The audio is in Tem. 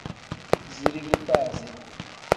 Zirigi kpasi.